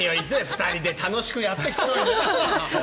２人で楽しくやってたのにな。